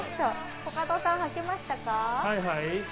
コカドさん、はきました？